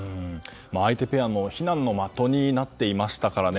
相手ペアの非難の的になっていましたからね。